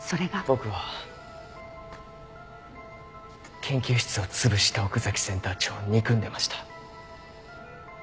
僕は研究室を潰した奥崎センター長を憎んでました。